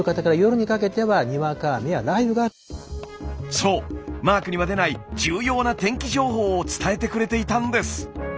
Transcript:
そうマークには出ない重要な天気情報を伝えてくれていたんです。